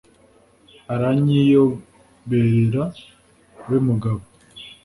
Aranyiyoberera we Mugabo.